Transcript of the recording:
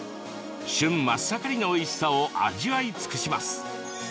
旬真っ盛りのおいしさを味わい尽くします。